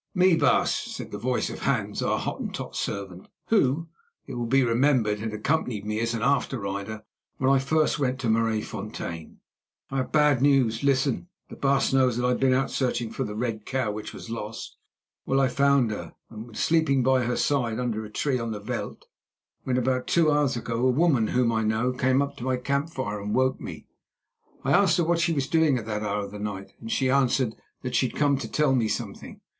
"Me, baas," said the voice of Hans, our Hottentot servant, who, it will be remembered, had accompanied me as after rider when first I went to Maraisfontein. "I have bad news. Listen. The baas knows that I have been out searching for the red cow which was lost. Well, I found her, and was sleeping by her side under a tree on the veld when, about two hours ago, a woman whom I know came up to my camp fire and woke me. I asked her what she was doing at that hour of the night, and she answered that she had come to tell me something.